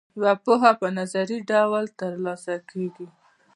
یوه پوهه په نظري ډول ترلاسه کیږي.